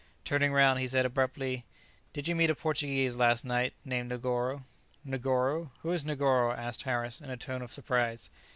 Turning round, he said abruptly, "Did you meet a Portuguese last night, named Negoro?" "Negoro? who is Negoro?" asked Harris, in a tone of surprise.